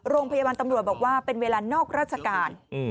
โรงพยาบาลตำรวจบอกว่าเป็นเวลานอกราชการ